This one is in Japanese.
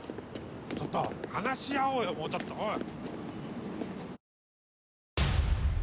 ちょっと話し合おうよもうちょっとおい。